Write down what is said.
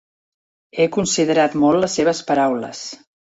He considerat molt les seves paraules.